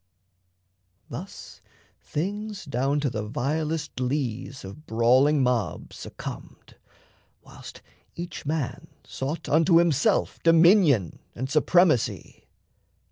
Thus things Down to the vilest lees of brawling mobs Succumbed, whilst each man sought unto himself Dominion and supremacy.